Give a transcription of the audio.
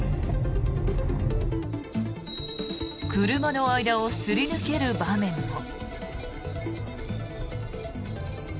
車の間をすり抜ける場面も。